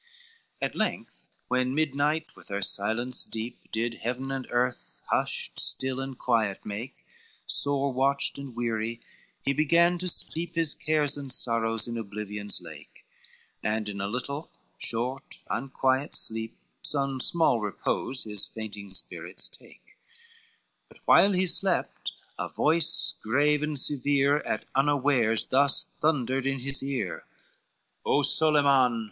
VII At length when midnight with her silence deep Did heaven and earth hushed, still, and quiet make, Sore watched and weary, he began to steep His cares and sorrows in oblivion's lake, And in a little, short, unquiet sleep Some small repose his fainting spirits take; But, while he slept, a voice grave and severe At unawares thus thundered in his ear: VIII "O Solyman!